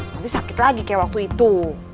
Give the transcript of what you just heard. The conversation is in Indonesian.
nanti sakit lagi kayak waktu itu